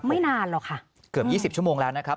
ไม่นานหรอกค่ะเกือบ๒๐ชั่วโมงแล้วนะครับ